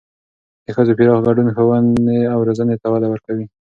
د ښځو پراخ ګډون ښوونې او روزنې ته وده ورکوي.